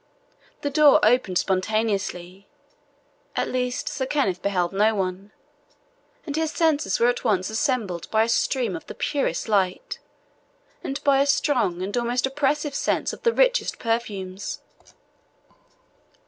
The door opened spontaneously at least Sir Kenneth beheld no one and his senses were at once assailed by a stream of the purest light, and by a strong and almost oppressive sense of the richest perfumes.